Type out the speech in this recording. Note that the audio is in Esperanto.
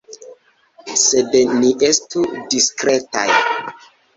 Sed ni estu diskretaj.